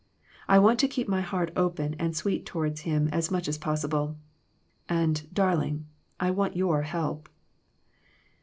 I want to keep my heart open and sweet toward him as much as possible. And, dar ling, I want your help."